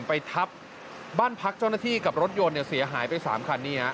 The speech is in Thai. ไปทับบ้านพักเจ้าหน้าที่กับรถยนต์เสียหายไปสามคันนี้